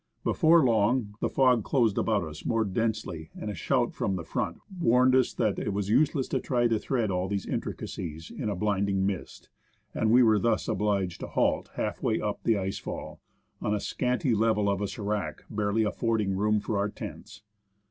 Before long, the fog closed about us more densely, and a shout from the front warned us that it was useless to try to thread all these intricacies in a blinding mist, and we were thus obliged to halt half way up the ice fall, on the scanty level of a sc'rac, barely affording room for our tents.